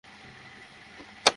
নিজের কবর খুড়ে রাখ।